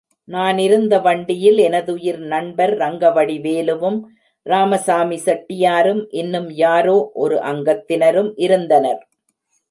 நான் இருந்த வண்டியில் எனதுயிர் நண்பர் ரங்கவடிவேலுவும் ராமசாமி செட்டியாரும் இன்னும் யாரோ ஒரு அங்கத்தினரும் இருந்தனர்.